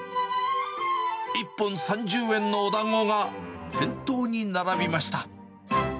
１本３０円のおだんごが店頭に並びました。